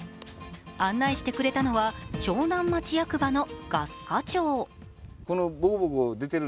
案内してくれたのは長南町役場のガス課長。